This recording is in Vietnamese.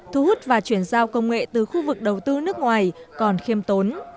thu hút và chuyển giao công nghệ từ khu vực đầu tư nước ngoài còn khiêm tốn